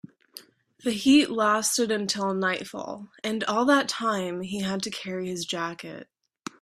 The heat lasted until nightfall, and all that time he had to carry his jacket.